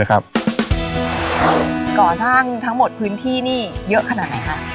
ก่อสร้างทั้งหมดพื้นที่นี่เยอะขนาดไหนคะ